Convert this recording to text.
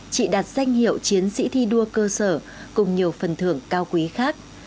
chị đạt danh hiệu chiến sĩ thi đua cơ sở cùng nhiều phần thưởng cao quý khác